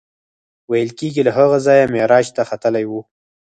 ویل کېږي له هغه ځایه معراج ته ختلی و.